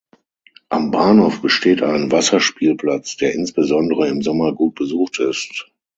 Am Bahnhof besteht ein Wasserspielplatz, der insbesondere im Sommer gut besucht ist.